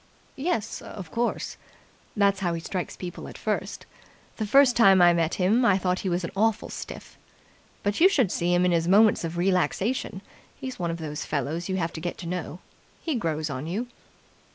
"Yes, of course, that's how he strikes people at first. The first time I met him, I thought he was an awful stiff. But you should see him in his moments of relaxation. He's one of those fellows you have to get to know. He grows on you."